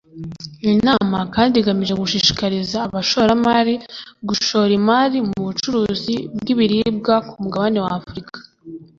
Iyi nama kandi igamije gushishikariza abashoramari gushora imari mu bucuruzi bw’ibiribwa ku mugabane wa Afurika